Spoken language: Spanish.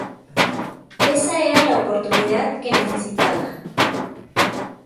Esa era la oportunidad que necesitaba.